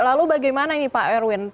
lalu bagaimana ini pak erwin